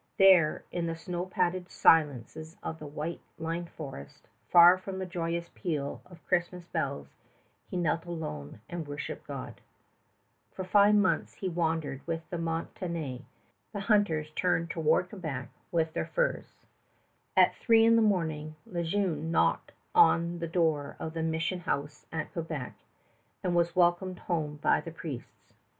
There, in the snow padded silences of the white limned forest, far from the joyous peal of Christmas bells, he knelt alone and worshiped God. For five months he wandered with the Montaignais, and now in April the hunters turned toward Quebec with their furs. At three in the morning Le Jeune knocked on the door of the mission house at Quebec, and was welcomed home by the priests.